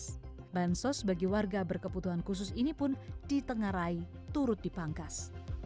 pemerian bansos bagi warga berkebutuhan khusus dilakukan dalam tahap ketiga dan tahap kedua belas